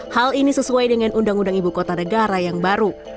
hal ini sesuai dengan undang undang ibu kota negara yang baru